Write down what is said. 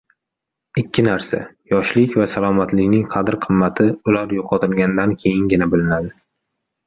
Ikki narsa — yoshlik va salomatlikning qadr-qimmati ular yo‘qotilgandan keyingina bilinadi.